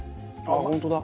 本当だ。